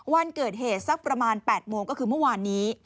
วันเกิดเหตุสักประมาณ๘โมงก็คือเมื่อวานนี้